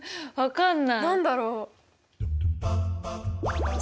何だろう？